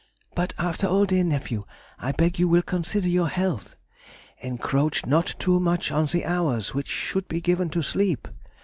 But after all, dear Nephew, I beg you will consider your health. Encroach not too much on the hours which should be given to sleep.